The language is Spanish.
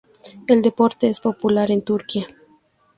El deporte es popular en Turquía.